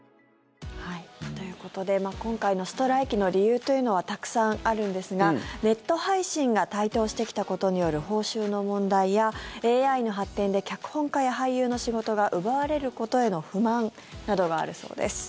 ということで今回のストライキの理由というのはたくさんあるんですがネット配信が台頭してきたことによる報酬の問題やＡＩの発展で脚本家や俳優の仕事が奪われることへの不満などがあるそうです。